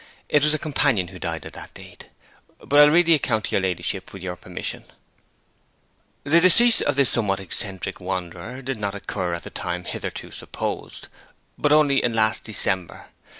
It was a companion who died at that date. But I'll read the account to your ladyship, with your permission: '"The decease of this somewhat eccentric wanderer did not occur at the time hitherto supposed, but only in last December.